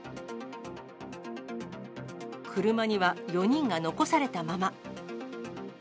車には４人が残されたまま。